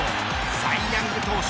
サイ・ヤング投手